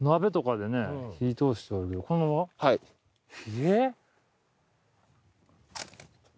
えっ！？